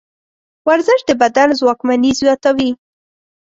ورزش د بدن ځواکمني زیاتوي.